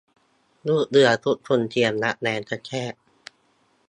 ลูกเรือทุกคน เตรียมตัวรับแรงกระแทก